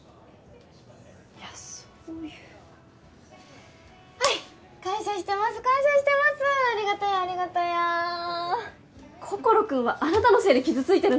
いやそういうはい感謝してます感謝してますありがたやありがたや心君はあなたのせいで傷ついてるんだよ？